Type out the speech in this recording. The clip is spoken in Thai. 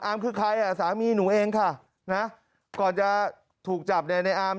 คือใครอ่ะสามีหนูเองค่ะนะก่อนจะถูกจับเนี่ยในอาร์ม